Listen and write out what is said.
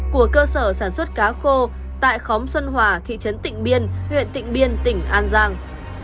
của cơ sở sản xuất cá khô tại khóm xuân hòa thị trấn tịnh biên huyện tịnh biên tỉnh an giang